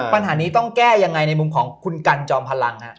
ปัญหานี้ต้องแก้ยังไงในมุมของคุณกันจอมพลังฮะ